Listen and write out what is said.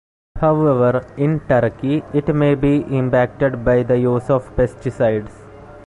However, in Turkey it may be impacted by the use of pesticides.